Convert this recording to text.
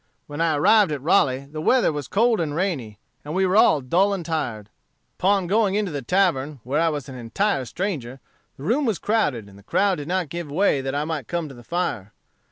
"When I arrived at Raleigh the weather was cold and rainy, and we were all dull and tired. Upon going into the tavern, where I was an entire stranger, the room was crowded, and the crowd did not give way that I might come to the fire.